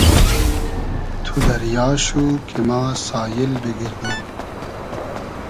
تو دئریا شو کی ما ساییل بیگئردوم